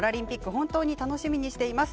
本当に楽しみにしています。